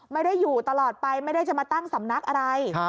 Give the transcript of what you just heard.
ไม่ได้อยู่ตลอดไปไม่ได้จะมาตั้งสำนักอะไร